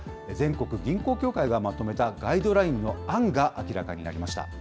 全国銀行協会がまとめたガイドラインの案が明らかになりました。